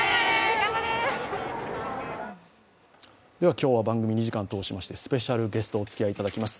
今日は番組２時間通しまして、スペシャルゲストにおつきあいいただきます。